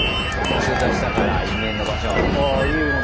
通過したから因縁の場所。